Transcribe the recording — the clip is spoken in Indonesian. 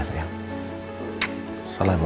assalamualaikum warahmatullahi wabarakatuh